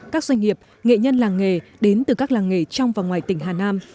các doanh nghiệp nghệ nhân làng nghề đến từ các làng nghề trong và ngoài tỉnh hà nam